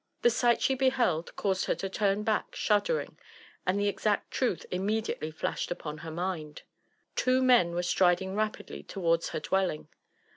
The sight she beheld caused her tq turn back shuddering, and the exact truth im mediately flashed upon her mind. Two men were striding rapidly to wards her dwelling.